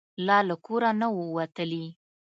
لا له کوره نه وو وتلي.